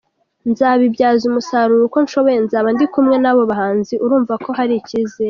Nzabibyaza umusaruro uko nshoboye, nzaba ndi kumwe n’abo bahanzi, urumva ko hari icyizere".